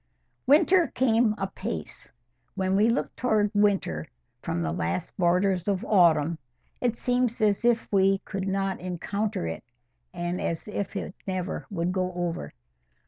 Winter came apace. When we look towards winter from the last borders of autumn, it seems as if we could not encounter it, and as if it never would go over.